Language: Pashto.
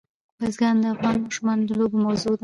بزګان د افغان ماشومانو د لوبو موضوع ده.